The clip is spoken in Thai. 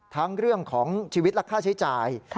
ทั้งเรื่องของชีวิตและค่าใช้จ่าย